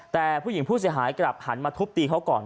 แต่ผู้หญิงผู้เสียหายกลับหันมาทุบตีเขาก่อน